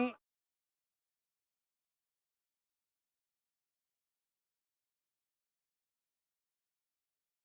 aneh ya allah